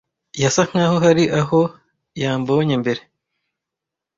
Yasa nkaho hari aho yambonye mbere.